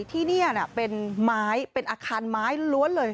ที่นี่เป็นอาคารไม้ล้วนเลย